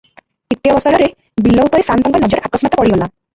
ଇତ୍ୟବସରରେ ବିଲ ଉପରେ ସାଆନ୍ତଙ୍କ ନଜର ଅକସ୍ମାତ ପଡ଼ିଗଲା ।